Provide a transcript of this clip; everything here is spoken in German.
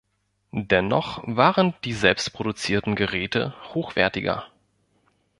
Dennoch waren die selbstproduzierten Geräte hochwertiger.